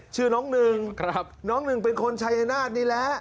ชื่อน้องหนึ่งน้องหนึ่งเป็นคนชายนาฏนี่แหละ